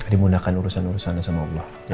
dimudahkan urusan urusannya sama allah ya